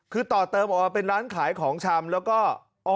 เต่าเป็นเป้นร้านขายของชำ